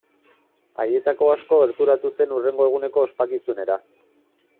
Haietako asko gerturatu zen hurrengo eguneko ospakizunera.